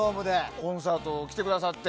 コンサート来てくださって。